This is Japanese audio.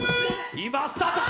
今スタート